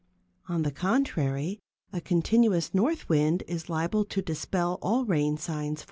On the contrary, a continuous north wind is liable to dispel all rain signs for a time.